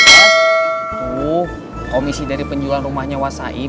tuh komisi dari penjual rumahnya pak said